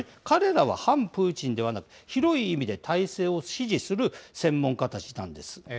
彼らは反プーチンではなく、広い意味で体制を支持する専門家たちなんです。